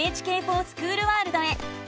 「ＮＨＫｆｏｒＳｃｈｏｏｌワールド」へ。